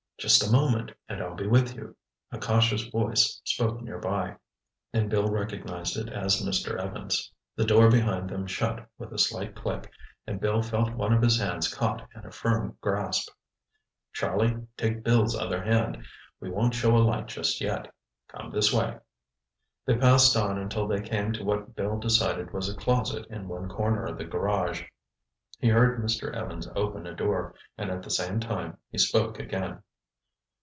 "Just a moment, and I'll be with you," a cautious voice spoke nearby, and Bill recognized it as Mr. Evans'. The door behind them shut with a slight click, and Bill felt one of his hands caught in a firm grasp. "Charlie, take Bill's other hand. We won't show a light just yet. Come this way." They passed on until they came to what Bill decided was a closet in one corner of the garage. He heard Mr. Evans open a door, and at the same time he spoke again.